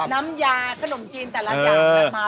น้ำยาขนมจีนแต่ละอย่าง